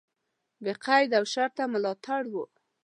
بې قید او شرطه ملاتړ و.